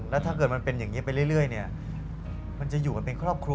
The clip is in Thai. แล้วถ้าเกิดมันเป็นอย่างนี้ไปเรื่อยเนี่ยมันจะอยู่กันเป็นครอบครัว